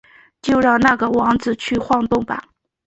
就让那个王子去晃动吧！